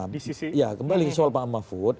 di sisi ya kembali soal pak mahfud